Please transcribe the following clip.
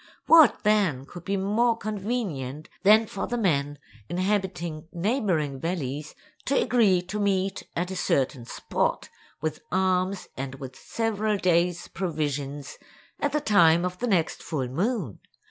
What, then, could be more convenient than for the men inhabiting neighboring valleys to agree to meet at a certain spot, with arms and with several days' provisions, at the time of the next full moon?